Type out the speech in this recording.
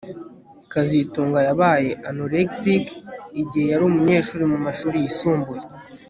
kazitunga yabaye anorexic igihe yari umunyeshuri mu mashuri yisumbuye